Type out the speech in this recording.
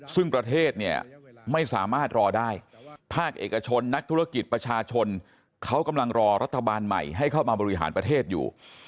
ซึ่งประเทศเนี่ยไม่สามารถรอได้ภาคเอกชนนักธุรกิจประชาชนเขากำลังรอรัฐบาลใหม่ให้เข้ามาบริหารประเทศอยู่